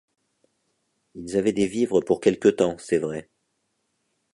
Ils avaient des vivres pour quelque temps, c’est vrai.